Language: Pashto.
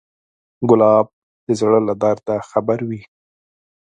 ګلاب د زړه له درده خبروي.